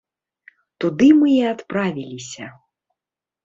Туды мы і адправіліся.